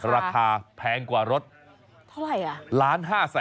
ราคาแพงกว่ารถ๑๕๐๐๐๐๐บาท